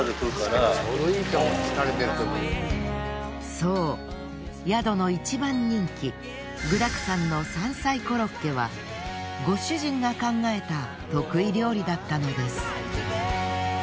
そう宿の一番人気具だくさんの山菜コロッケはご主人が考えた得意料理だったのです。